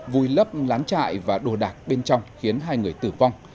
vùi lấp lán trại và đồ đạc bên trong khiến hai người tử vong